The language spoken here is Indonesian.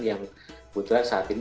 yang sebetulnya saat ini